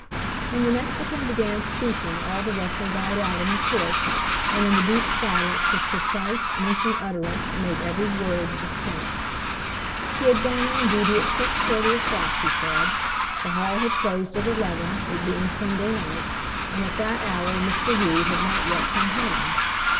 When the Mexican began speaking all the rustle died out in the court, and in the deep silence his precise, mincing utterance made every word distinct. He had gone on duty at six thirty o'clock, he said; the hall had closed at eleven, it being Sunday night, and at that hour Mr. Rood had not yet come home.